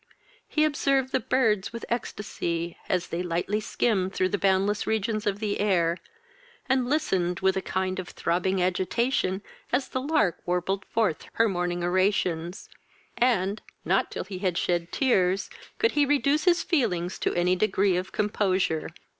He observed the birds with ecstacy, as they lightly skimmed through the boundless regions of the air, and listened with a kind of throbbing agitation as the lark warbled forth her morning oraisons, and, not till he had shed tears, could he reduce his feelings to any degree of composure.